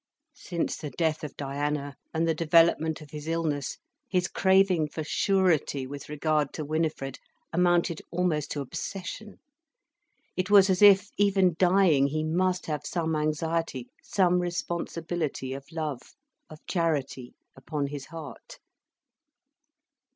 Since the death of Diana, and the development of his illness, his craving for surety with regard to Winifred amounted almost to obsession. It was as if, even dying, he must have some anxiety, some responsibility of love, of Charity, upon his heart.